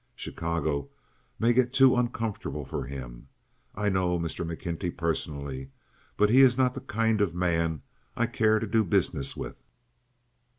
Chicago may get too uncomfortable for him. I know Mr. McKenty personally, but he is not the kind of man I care to do business with."